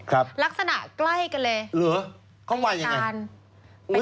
ครับลักษณะใกล้กันเลยหรือเขาไหวอย่างไร